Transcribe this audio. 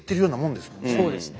そうですね。